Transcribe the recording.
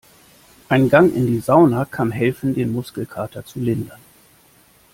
Ein Gang in die Sauna kann helfen, den Muskelkater zu lindern.